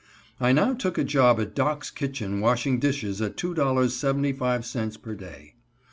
I now took a job at Doc's Kitchen washing dishes at two dollars and seventy five cents per day.